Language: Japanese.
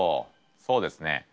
そうですね。